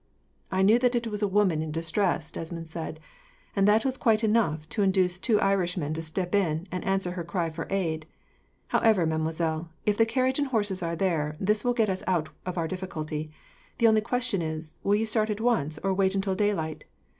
"I knew that it was a woman in distress," Desmond said, "and that was quite enough to induce two Irishmen to step in, and answer to her cry for aid. However, mademoiselle, if the carriage and horses are there, this will get us out of our difficulty. The only question is, will you start at once, or wait until daylight?